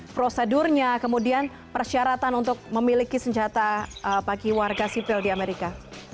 prosedurnya kemudian persyaratan untuk memiliki senjata bagi warga sipil di amerika